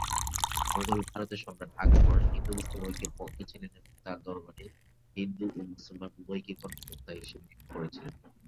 মোগল ভারতে সম্রাট আকবর হিন্দু-মুসলিম ঐক্যের পক্ষে ছিলেন এবং তাঁর দরবারে হিন্দু ও মুসলমান উভয়কেই কর্মকর্তা হিসাবে নিয়োগ করেছিলেন।